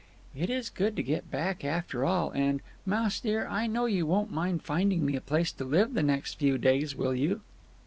"It is good to get back after all, and—Mouse dear, I know you won't mind finding me a place to live the next few days, will you?"